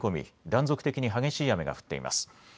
断続的に激しい雨が降っています。